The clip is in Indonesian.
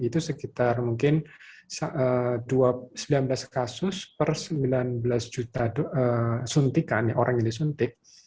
itu sekitar mungkin sembilan belas kasus per sembilan belas juta suntikan orang yang disuntik